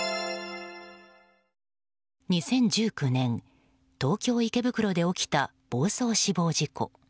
２０１９年東京・池袋で起きた暴走死亡事故。